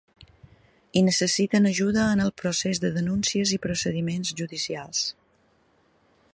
I necessiten ajuda en el procés de denúncies i procediments judicials.